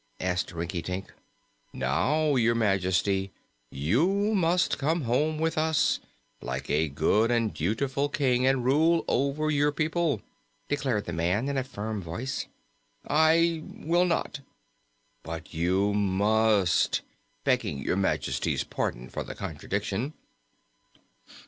asked Rinkitink. "Now, Your Majesty, you must come home with us, like a good and dutiful King, and rule over your people," declared the man in a firm voice. "I will not." "But you must begging Your Majesty's pardon for the contradiction."